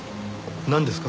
なんですか？